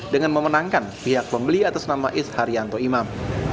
dengan memenangkan pihak pembeli atas nama is haryanto imam